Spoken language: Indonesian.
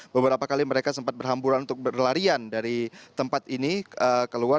beberapa kali mereka sempat berhamburan untuk berlarian dari tempat ini keluar